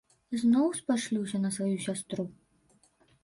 Зноў спашлюся на сваю сястру.